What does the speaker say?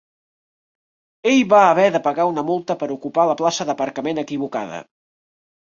Ell va haver de pagar una multa per ocupar la plaça d'aparcament equivocada.